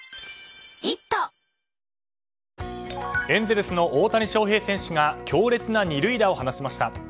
エンゼルスの大谷翔平選手が強烈な２塁打を放ちました。